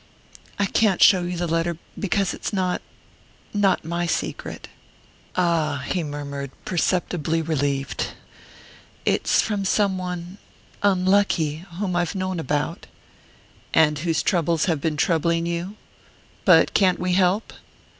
"I can't show you the letter, because it's not not my secret " "Ah?" he murmured, perceptibly relieved. "It's from some one unlucky whom I've known about...." "And whose troubles have been troubling you? But can't we help?"